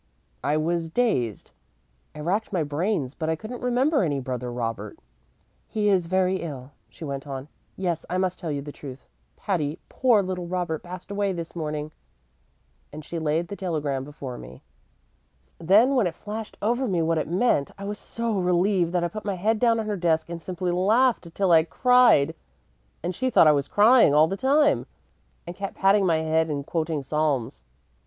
"I was dazed. I racked my brains, but I couldn't remember any brother Robert. "'He is very ill,' she went on. 'Yes, I must tell you the truth, Patty; poor little Robert passed away this morning'; and she laid the telegram before me. Then, when it flashed over me what it meant, I was so relieved that I put my head down on her desk and simply laughed till I cried; and she thought I was crying all the time, and kept patting my head and quoting Psalms.